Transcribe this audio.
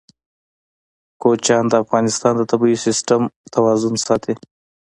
کوچیان د افغانستان د طبعي سیسټم توازن ساتي.